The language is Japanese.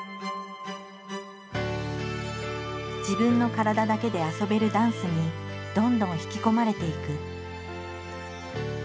自分の体だけで遊べるダンスにどんどん引き込まれていく。